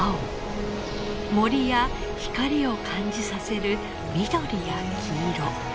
森や光を感じさせる緑や黄色。